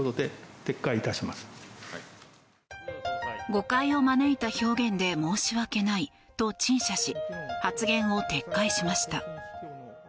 誤解を招いた表現で申し訳ないと陳謝し発言を撤回しました。